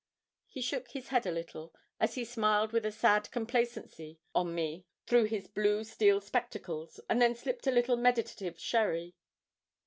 He shook his head a little, as he smiled with a sad complacency on me through his blue steel spectacles, and then sipped a little meditative sherry.